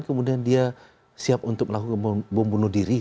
kemudian dia siap untuk melakukan pembunuh diri